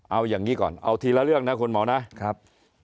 เอาอย่างนี้ก่อนเอาทีละเรื่องนะคุณหมอนะครับ